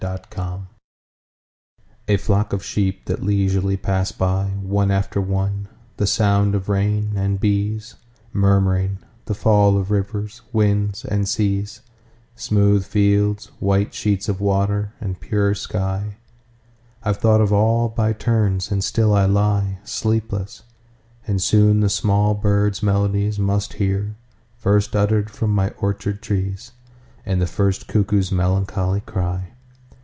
To Sleep A FLOCK of sheep that leisurely pass byOne after one; the sound of rain, and beesMurmuring; the fall of rivers, winds and seas, Smooth fields, white sheets of water, and pure sky;—I've thought of all by turns, and still I lieSleepless; and soon the small birds' melodiesMust hear, first utter'd from my orchard trees, And the first cuckoo's melancholy cry.